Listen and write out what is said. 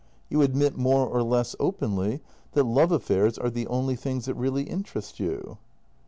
You admit more or less openly that love affairs are the only things that really interest you."